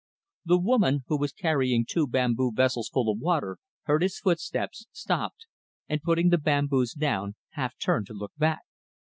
The woman, who was carrying two bamboo vessels full of water, heard his footsteps, stopped, and putting the bamboos down half turned to look back.